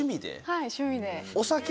はい趣味で。